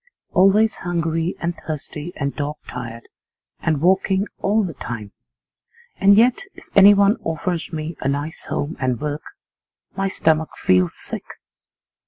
Always hungry and thirsty and dog tired and walking all the time. And yet if anyone offers me a nice home and work my stomach feels sick.